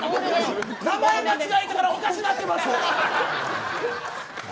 名前間違えてからおかしくなってますから。